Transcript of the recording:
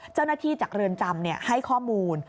เจ้าหน้าที่จากเรินจำให้ข้อมูล